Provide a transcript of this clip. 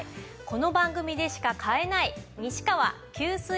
この番組でしか買えない西川吸水！